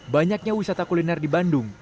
banyaknya wisata kuliner di bandung